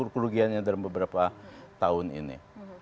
kerugiannya dalam beberapa tahun ini